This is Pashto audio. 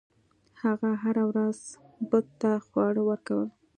هغه هره ورځ بت ته خواړه ورکول.